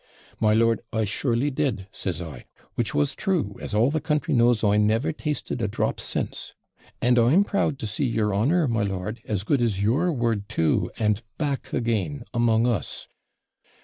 'My lord, I surely did,' said I; which was true, as all the country knows I never tasted a drop since. 'And I'm proud to see your honour, my lord, as good as your word too, and back again among us.